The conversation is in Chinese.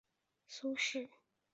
苏氏私塾的历史年代为清代。